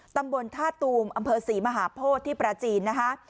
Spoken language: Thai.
ตำบลท่าตูมอำเภอศรีมหาโพธิที่ปราจีนนะคะ